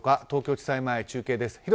東京地裁前、中継です。